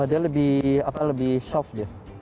dia lebih soft dia